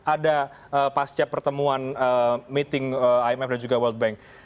ada pasca pertemuan meeting imf dan juga world bank